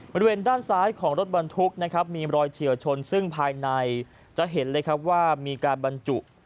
บริเวณด้านซ้ายของรถบรรทุกนะครับมีรอยเฉียวชนซึ่งภายในจะเห็นเลยครับว่ามีการบรรจุ